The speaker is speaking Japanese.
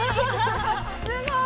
すごーい！！